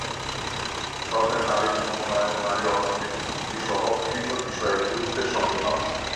সরকার নারীর ক্ষমতায়ন, নারীর অর্থনৈতিক মুক্তিসহ বিভিন্ন বিষয় গুরুত্বের সঙ্গে ভাবছে।